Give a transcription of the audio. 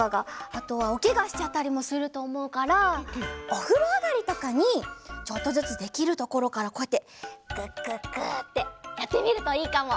あとはおけがしちゃったりもするとおもうからおふろあがりとかにちょっとずつできるところからこうやってぐっぐっぐってやってみるといいかも！